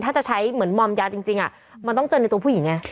ถ้าจะใช้เหมือนมอมยาจริงมันต้องเจอในตัวผู้หญิงไง